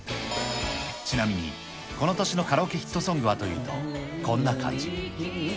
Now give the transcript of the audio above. ちなみに、この年のカラオケヒットソングはというと、こんな感じ。